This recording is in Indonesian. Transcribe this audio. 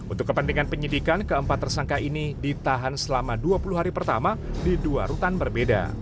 untuk kepentingan penyidikan keempat tersangka ini ditahan selama dua puluh hari pertama di dua rutan berbeda